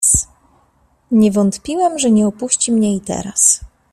"Nie wątpiłem, że nie opuści mnie i teraz."